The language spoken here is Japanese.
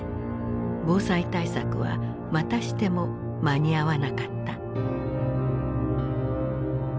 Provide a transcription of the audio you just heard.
防災対策はまたしても間に合わなかった。